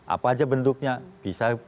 apa saja bentuknya bisa